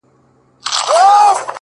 چي زما په لورې هغه سپينه جنگرکه راځې _